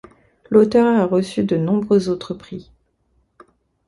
L'auteur a reçu de nombreux autres prix.